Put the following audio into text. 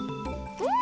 うん！